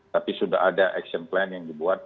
tapi sudah ada action plan yang dibuat